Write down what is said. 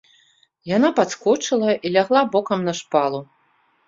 Яна падскочыла і лягла бокам на шпалу.